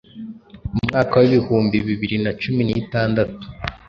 Umwaka w’ibihumbi bibiri na cumi n’itandatu